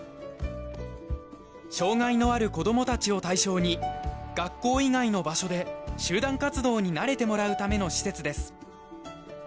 障がいのある子供たちを対象に学校以外の場所で集団活動に慣れてもらうための施設です。